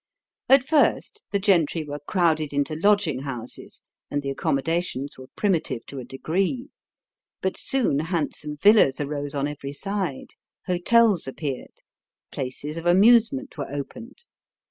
At first the gentry were crowded into lodging houses and the accommodations were primitive to a degree. But soon handsome villas arose on every side; hotels appeared; places of amusement were opened.